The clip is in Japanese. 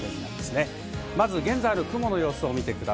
まず現在の雲の様子です。